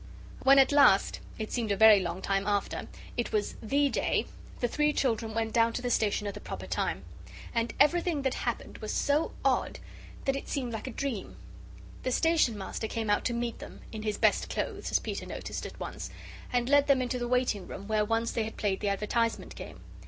When at last it seemed a very long time after it was THE day, the three children went down to the station at the proper time. And everything that happened was so odd that it seemed like a dream. The Station Master came out to meet them in his best clothes, as Peter noticed at once and led them into the waiting room where once they had played the advertisement game.